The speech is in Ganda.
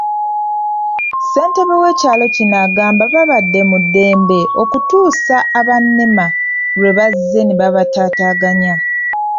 Ssentebe w’ekyalo kino agamba babadde mu ddembe okutuusa aba NEMA lwe bazze okubataataaganya.